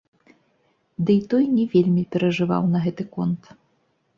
Дый той не вельмі перажываў на гэты конт.